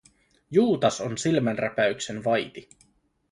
Juutas on silmänräpäyksen vaiti.